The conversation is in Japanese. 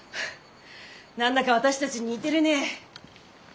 何だか私たち似てるねぇ！